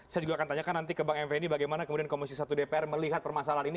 saya juga akan tanyakan nanti ke bang effendi bagaimana kemudian komisi satu dpr melihat permasalahan ini